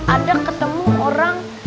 ada ketemu orang